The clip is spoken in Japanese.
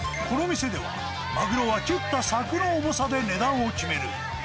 この店では、マグロは切った柵の重さで値段を決める。